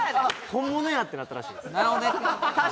「本物や！」ってなったらしいです